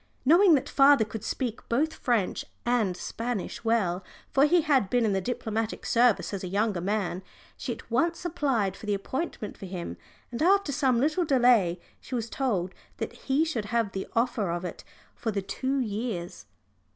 Knowing that father could speak both French and Spanish well, for he had been in the diplomatic service as a younger man, she at once applied for the appointment for him, and after some little delay she was told that he should have the offer of it for the two years.